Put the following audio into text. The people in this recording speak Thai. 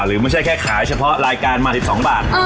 ไม่ใช่แค่ขายเฉพาะรายการมา๑๒บาท